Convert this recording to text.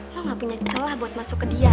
lo gak punya celah buat masuk ke dia